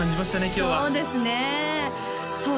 今日はそうですねさあ